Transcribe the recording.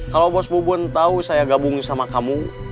kalau bos wun tau saya gabung sama kamu